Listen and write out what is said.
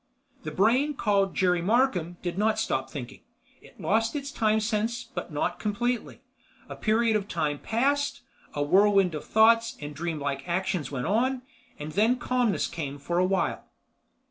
The Brain called Jerry Markham did not stop thinking. It lost its time sense, but not completely. A period of time passed, a whirlwind of thoughts and dreamlike actions went on, and then calmness came for a while.